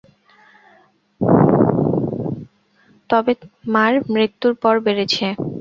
তবে মার মৃত্যুর পর বেড়েছে।